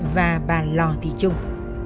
và bà lò thị trung